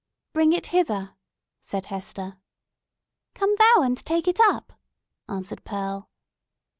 "Bring it hither!" said Hester. "Come thou and take it up!" answered Pearl.